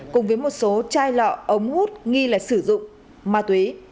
cùng với một số chai lọ ống hút nghi là sử dụng ma túy